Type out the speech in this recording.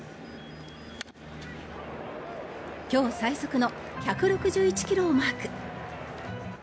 今日最速の１６１ｋｍをマーク。